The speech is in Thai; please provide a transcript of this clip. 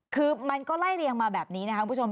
คือมันก็ไล่เรียงมาแบบนี้นะครับคุณผู้ชม